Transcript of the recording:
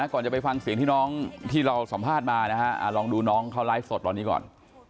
ก่อนจะไปฟังเสียงที่น้องที่เราสัมภาษณ์มานะฮะลองดูน้องเขาไลฟ์สดตอนนี้ก่อน